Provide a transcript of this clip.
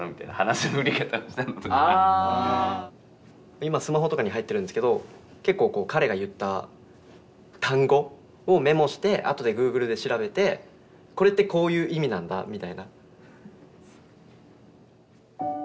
今スマホとかに入ってるんですけど結構彼が言った単語をメモして後でグーグルで調べてこれってこういう意味なんだみたいな。